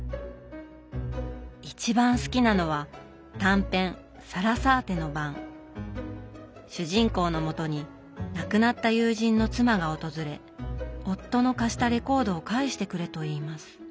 一番好きなのは短編主人公のもとに亡くなった友人の妻が訪れ夫の貸したレコードを返してくれと言います。